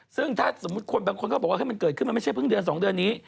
ซึ่งถ้าสมมุติคนบางคนก็บอกว่ามันเกิดขึ้นมันไม่ใช่เพิ่งเดือน๒เดือนนี้